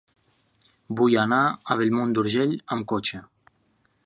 Vull anar a Bellmunt d'Urgell amb cotxe.